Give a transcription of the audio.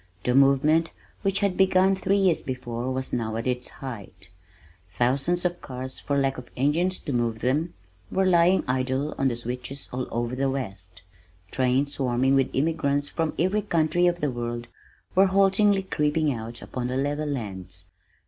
The movement which had begun three years before was now at its height. Thousands of cars, for lack of engines to move them, were lying idle on the switches all over the west. Trains swarming with immigrants from every country of the world were haltingly creeping out upon the level lands.